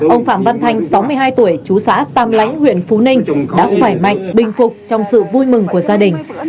ông phạm văn thanh sáu mươi hai tuổi chú xã tam lãnh huyện phú ninh đã khỏe mạnh bình phục trong sự vui mừng của gia đình